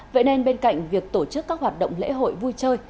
vậy nên bên cạnh việc tổ chức các hoạt động lễ hội vui chơi